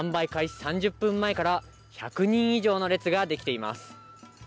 ３０分前から１００人以上の列ができています。